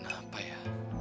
entah kenapa ya